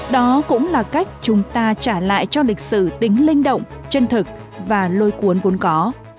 đó cũng là cách chúng ta trả lại cho lịch sử tính linh động chân thực và lôi cuốn vốn có